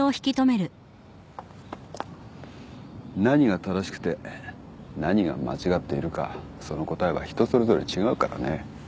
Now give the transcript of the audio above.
何が正しくて何が間違っているかその答えは人それぞれ違うからね。